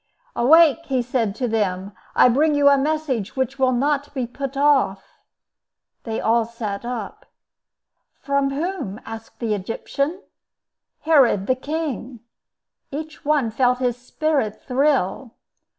"Awake!" he said to them; "I bring you a message which will not be put off." They all sat up. "From whom?" asked the Egyptian. "Herod the king." Each one felt his spirit thrill.